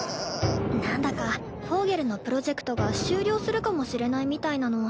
なんだか「Ｖｏｇｅｌ」のプロジェクトが終了するかもしれないみたいなの。